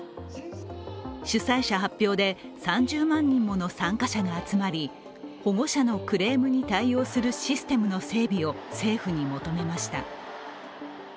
主催者発表で３０万人もの参加者が集まり保護者のクレームに対応するシステムの整備を政府に求めました。